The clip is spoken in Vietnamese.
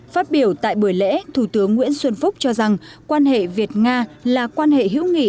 phát biểu tại buổi lễ thủ tướng nguyễn xuân phúc cho rằng quan hệ việt nga là quan hệ hữu nghị